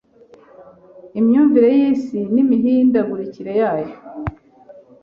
Imyumvire y’isi n’imihindagurikire yayo